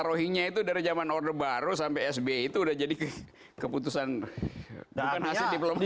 rohingya itu dari zaman orde baru sampai sbi itu udah jadi keputusan bukan hasil diplomasi